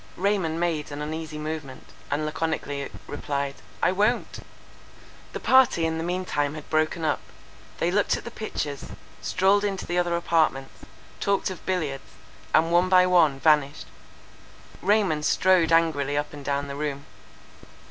—Raymond made an uneasy movement, and laconically replied—"I won't!" The party in the mean time had broken up. They looked at the pictures, strolled into the other apartments, talked of billiards, and one by one vanished. Raymond strode angrily up and down the room.